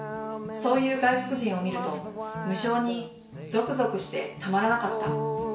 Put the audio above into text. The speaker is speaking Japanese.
そういう外国人を見ると無性にゾクゾクしてたまらなかった。